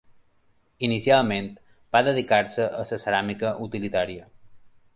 Inicialment, va dedicar-se la ceràmica utilitària.